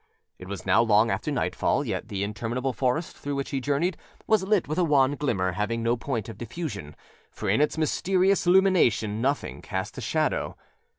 It was now long after nightfall, yet the interminable forest through which he journeyed was lit with a wan glimmer having no point of diffusion, for in its mysterious lumination nothing cast a shadow.